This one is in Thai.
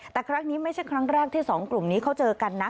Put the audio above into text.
แต่ครั้งนี้ไม่ใช่ครั้งแรกที่สองกลุ่มนี้เขาเจอกันนะ